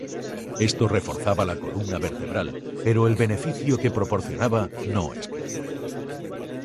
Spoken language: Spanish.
Esto reforzaba la columna vertebral, pero el beneficio que proporcionaba no es claro.